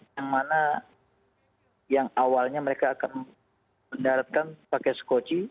yang mana yang awalnya mereka akan mendaratkan pakai skoci